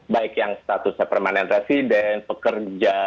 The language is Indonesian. baik yang statusnya permanent resident pekerja